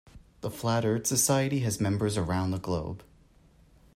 The Flat Earth Society has members around the globe.